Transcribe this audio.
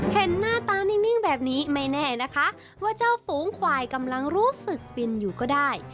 เห็นหน้าตานิ่งแบบนี้ไม่แน่นะคะว่าเจ้าฝูงควายกำลังรู้สึกฟินอยู่ก็ได้